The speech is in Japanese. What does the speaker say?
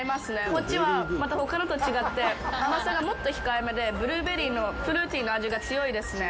こっちは、またほかのと違って甘さがもっと控えめで、ブルーベリーのフルーティーな味が強いですね。